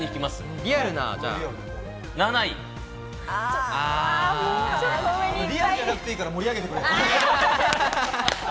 リアルじゃなくていいから盛り上げてくれよ。